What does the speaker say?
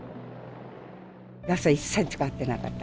ガスは一切使ってなかった。